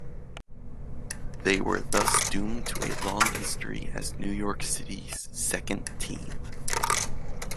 They were thus doomed to a long history as New York City's second team.